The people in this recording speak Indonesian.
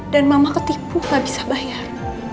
dan mama ketipu gak bisa bayar